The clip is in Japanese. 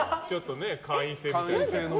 会員制みたいなね。